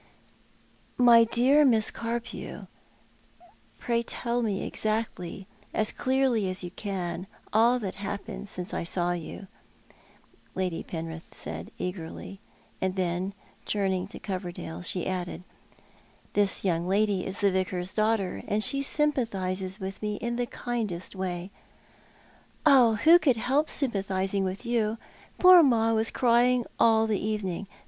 " My dear Miss Carpew, pray tell me exactly, as clearly as you can, all that happened since I saw yon," Lady Penrith said eagerly; and then turning to Coverdale she added, " This yonng lady is the Vicar's daughter, and she symjpathises with me in the kindest way." " Who could help sympathising with you ? Poor Ma was crying all the evening.